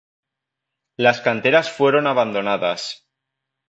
Las canteras fueron abandonadas.